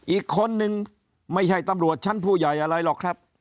อีกคนนึงไม่ใช่ตำรวจชั้นผู้ใหญ่อะไรหรอกครับ